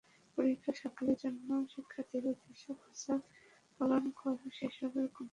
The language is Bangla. পরীক্ষায় সাফল্যের জন্য শিক্ষার্থীরা যেসব আচার পালন করে, এসবের কোনো বৈজ্ঞানিক ভিত্তি নেই।